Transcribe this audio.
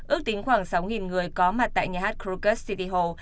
ước tính khoảng sáu người có mặt tại nhà hát crocus city hall